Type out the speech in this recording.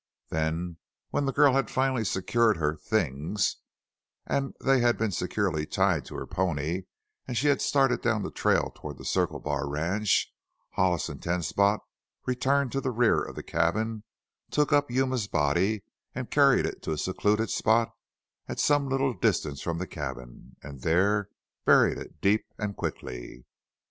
Then, when the girl had finally secured her "things" and they had been securely tied to her pony, and she had started down the trail toward the Circle Bar ranch, Hollis and Ten Spot returned to the rear of the cabin, took up Yuma's body, carried it to a secluded spot at some little distance from the cabin and there buried it deep and quickly.